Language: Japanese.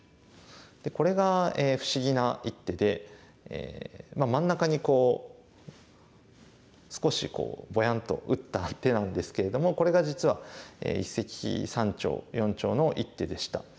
これが不思議な一手で真ん中にこう少しボヤンと打った手なんですけれどもこれが実は一石三鳥四鳥の一手でした。